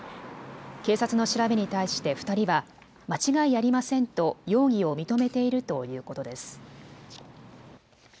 警察の調べに対して２人は間違いありませんと容疑を認めているということです。